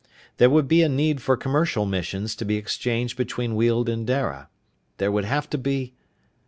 There would be a need for commercial missions to be exchanged between Weald and Dara. There would have to be....